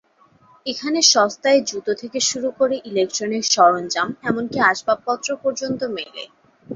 এখানে সস্তায় জুতো থেকে শুরু করে ইলেকট্রিক সরঞ্জাম, এমনকি আসবাবপত্র পর্যন্ত মেলে।